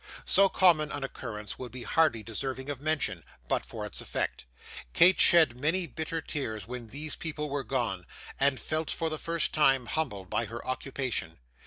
So common an occurrence would be hardly deserving of mention, but for its effect. Kate shed many bitter tears when these people were gone, and felt, for the first time, humbled by her occupation.